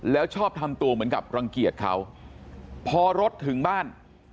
แล้วชอบทำตัวเหมือนกับรังเกียจเขาพอรถถึงบ้าน